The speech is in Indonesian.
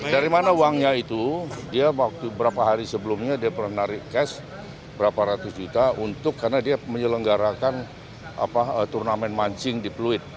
dari mana uangnya itu dia waktu berapa hari sebelumnya dia pernah narik cash berapa ratus juta untuk karena dia menyelenggarakan turnamen mancing di pluit